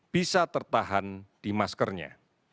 bisa tertahan di maskernya